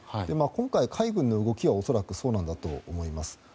今回、海軍の動きは恐らくそうなんだと思います。